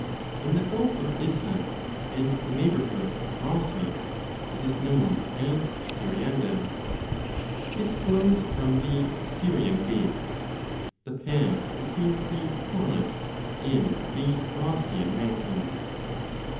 1 In the Gulf of Issus and the neighbourhood of Rosus it is known as Syriandus ; it blows from the Syrian Gates , the pass between 2 the Taurus and the Rosian Mountains.